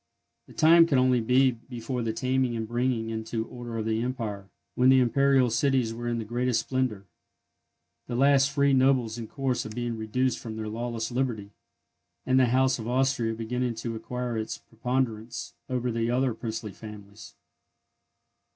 The time could only be before the taming and bringing into order of the empire, when the Imperial cities were in their greatest splendour, the last free nobles in course of being reduced from their lawless liberty, and the House of Austria beginning to acquire its preponderance over the other princely families.